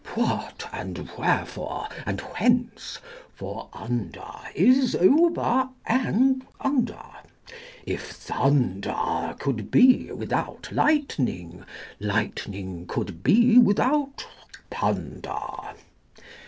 What, and wherefore, and whence? for under is over and under: If thunder could be without lightning, lightning could be without thunder.